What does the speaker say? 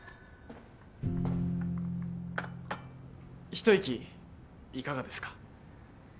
一息いかがですか？